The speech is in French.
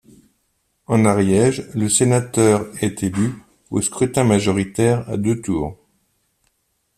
En Ariège, le sénateur est élu au scrutin majoritaire à deux tours.